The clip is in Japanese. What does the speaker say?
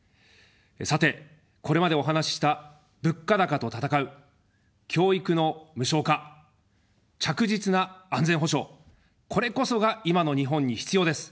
さて、これまでお話しした、物価高と戦う、教育の無償化、着実な安全保障、これこそが今の日本に必要です。